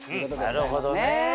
なるほどね！